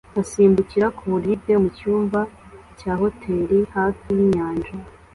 asimbukira ku buriri bwe mucyumba cya hoteri hafi yinyanja